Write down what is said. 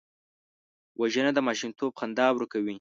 وژنه د ماشومتوب خندا ورکوي